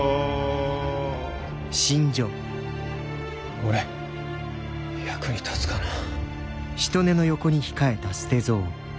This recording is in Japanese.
俺役に立つかなぁ。